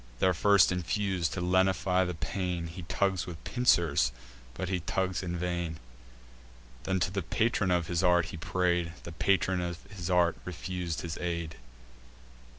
These first infus'd, to lenify the pain, He tugs with pincers, but he tugs in vain. Then to the patron of his art he pray'd: The patron of his art refus'd his aid.